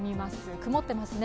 曇ってますね。